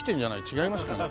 違いますかね。